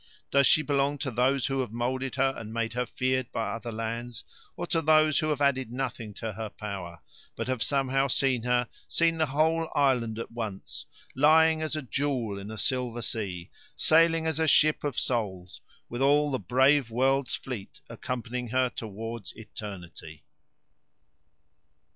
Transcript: Does she belong to those who have moulded her and made her feared by other lands, or to those who have added nothing to her power, but have somehow seen her, seen the whole island at once, lying as a jewel in a silver sea, sailing as a ship of souls, with all the brave world's fleet accompanying her towards eternity?